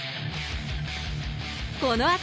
このあと、